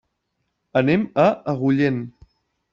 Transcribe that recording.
Anem a Agullent.